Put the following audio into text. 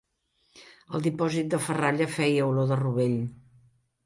El dipòsit de ferralla feia olor de rovell.